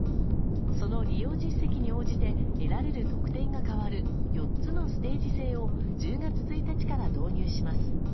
その利用実績に応じて選べる特典が変わる４つのステージ制を１０月１日から導入します。